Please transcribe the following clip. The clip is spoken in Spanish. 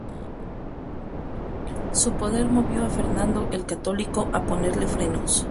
Su poder movió a Fernando el Católico a ponerle frenos.